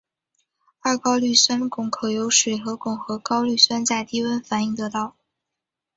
二高氯酸肼可由水合肼和高氯酸在低温反应得到。